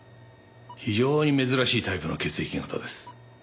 非常に珍しいタイプの血液型です。